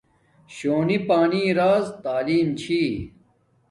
شونی پانݵ راز تعلیم چھی